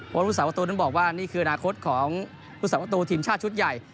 พวกผู้สาปตัวตัวนั้นบอกว่านี่คืออนาคตของผู้สาปตัวตัวทีมชาติชุดใหญ่